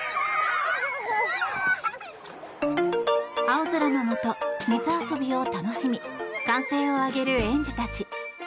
青空のもと水遊びを楽しみ歓声を上げる園児たち。